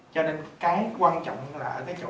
cho nên cái quan trọng là ở cái chỗ